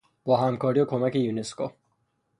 با همکاری و کمک یونسکو